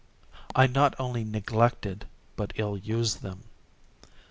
I not only neglected, but ill used them.